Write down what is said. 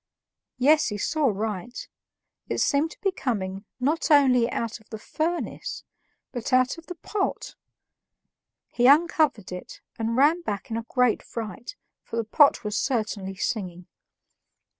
Yes, he saw right; it seemed to be coming not only out of the furnace but out of the pot. He uncovered it, and ran back in a great fright, for the pot was certainly singing!